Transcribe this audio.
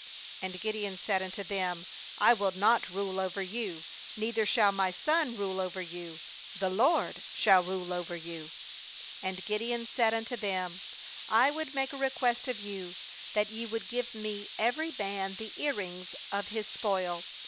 ^And Gideon said unto them: 'I will not rule over you, neither shall my son rule over you the LORD shall rule over you.' ^And Gideon 'said unto them: 'I would make a request of you, that ye would give me every man the ear rings of bas spoil.'